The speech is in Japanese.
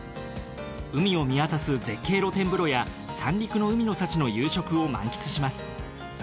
海を見渡す絶景露天風呂や三陸の海の幸の夕食を満喫します。